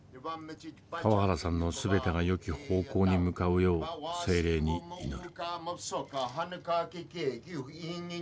川原さんの全てがよき方向に向かうよう精霊に祈る。